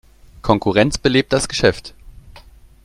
Konkurrenz belebt das Geschäft.